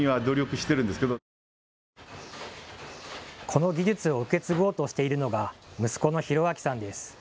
この技術を受け継ごうとしているのが息子の広彰さんです。